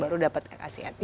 baru dapat kekasihannya